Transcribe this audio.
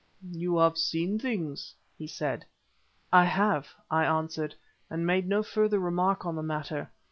"You have seen things," he said. "I have," I answered, and made no further remark on the matter.